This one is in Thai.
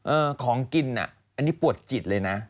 ของกินน่ะอันนี้ปวดจิตเลยนะ